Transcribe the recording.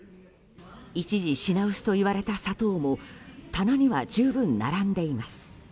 一時品薄といわれた砂糖も棚には十分並んでいます。